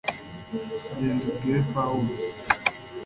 genda ubwire pawulo